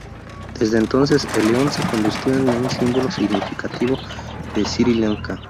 Desde entonces el león se convirtió en un símbolo significativo de Sri Lanka.